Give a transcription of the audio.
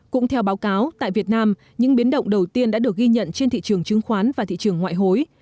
cũng theo báo cáo tại việt nam những biến động đầu tiên đã được ghi nhận trên thị trường chứng khoán và thị trường ngoại hối